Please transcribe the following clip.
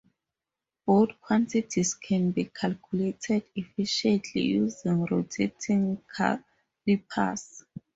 Both quantities can be calculated efficiently using rotating calipers.